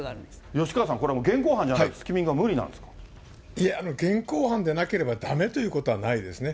吉川さん、これ現行犯じゃないと、スキミングは無理なんですいや、現行犯でなければだめということはないですね。